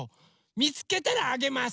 みつけたらあげます！